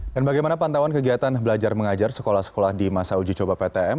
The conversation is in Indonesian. dan bagaimana pantauan kegiatan belajar mengajar sekolah sekolah di masa uji coba ptm